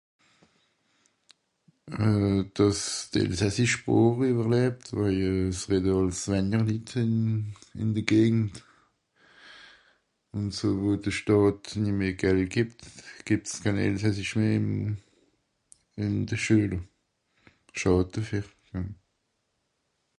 Euh... dàss d'elsassisch Sproch ìwwerlebt, waje es wìrd àls wenjer Litt ìn... ìn de Gegend, ùn so wo de Staat nimmeh Geld gìbbt, gìbbt's kèn elsassisch meh ìn de Schuel. Schàd defìr.